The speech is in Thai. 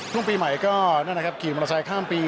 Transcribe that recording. ช่วงปีใหม่ก็นั่นนะครับขี่มอเตอร์ไซค์ข้ามปี